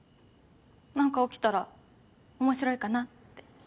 何か起きたら面白いかなって。